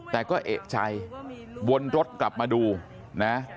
แต่ก็เอกใจวนรถกลับมาดูนะ